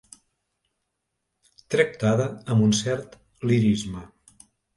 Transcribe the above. Tractada amb un cert lirisme.